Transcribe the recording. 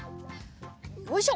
よいしょ。